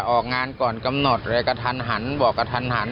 ออกงานก่อนกำหนดเลยกระทันหันบอกกระทันหัน